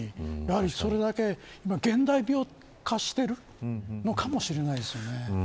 それだけ現代病化しているのかもしれないですよね。